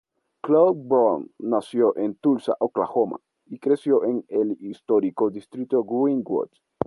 Chloe L. Brown nació en Tulsa, Oklahoma y creció en el histórico Distrito Greenwood.